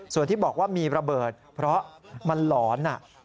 ส่วนที่บอกว่ามีระเบิดเพราะมันหลอน